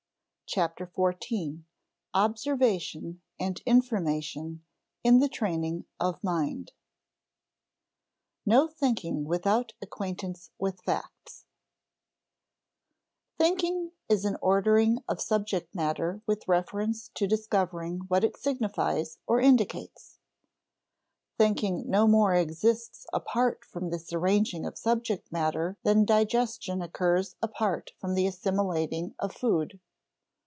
CHAPTER FOURTEEN OBSERVATION AND INFORMATION IN THE TRAINING OF MIND [Sidenote: No thinking without acquaintance with facts] Thinking is an ordering of subject matter with reference to discovering what it signifies or indicates. Thinking no more exists apart from this arranging of subject matter than digestion occurs apart from the assimilating of food.